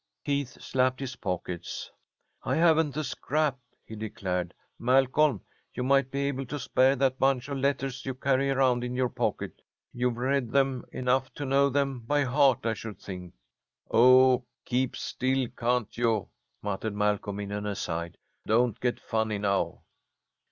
Keith slapped his pockets. "I haven't a scrap," he declared. "Malcolm, you might be able to spare that bunch of letters you carry around in your pocket. You've read them enough to know them by heart, I should think." "Oh, keep still, can't you?" muttered Malcolm, in an aside. "Don't get funny now."